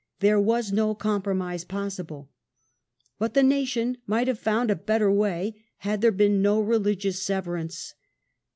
There was no compromise possible. But the nation might haVe found a better way had there been no religious severance.